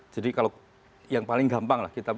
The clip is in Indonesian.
jadi kalau yang paling gampang lah